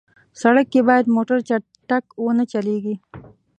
سړک کې باید موټر چټک ونه چلېږي.